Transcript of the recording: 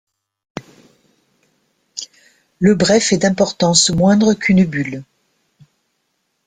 Le bref est d'importance moindre qu'une bulle.